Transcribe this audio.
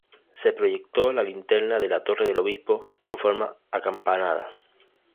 Se proyectó la linterna de la "Torre del Obispo" con forma acampanada.